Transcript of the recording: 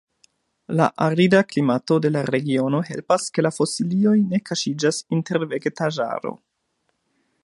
La arida klimato de la regiono helpas ke la fosilioj ne kaŝiĝas inter vegetaĵaro.